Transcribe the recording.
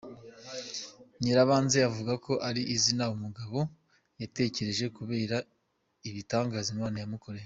Nyirabanze avuga ko ari izina umugabo yatekereje kubera ibitangaza Imana yamukoreye.